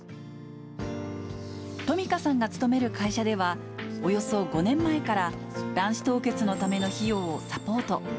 トミカさんが勤める会社では、およそ５年前から、卵子凍結のための費用をサポート。